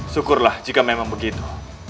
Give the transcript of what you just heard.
syukurlah jika memang begitu